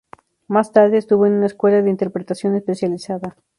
Más tarde estuvo en una escuela de interpretación especializada.